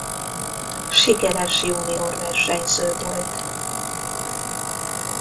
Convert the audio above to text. Sikeres junior versenyző volt.